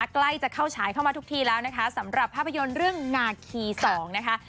ใกล้จะเข้าฉายเข้ามาทุกทีแล้วนะคะสำหรับภาพยนตร์เรื่องนาคี๒นะคะ